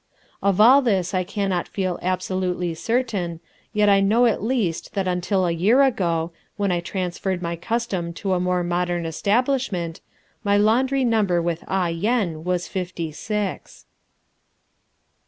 Of all this I cannot feel absolutely certain, yet I know at least that until a year ago, when I transferred my custom to a more modern establishment, my laundry number with Ah Yen was Fifty Six.